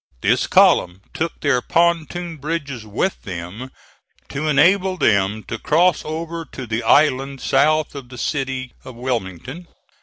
This column took their pontoon bridges with them, to enable them to cross over to the island south of the city of Wilmington.